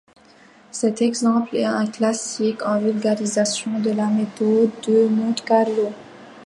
Cet exemple est un classique en vulgarisation de la méthode de Monte-Carlo.